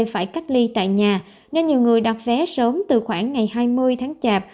phải cách ly tại nhà nên nhiều người đặt vé sớm từ khoảng ngày hai mươi tháng chạp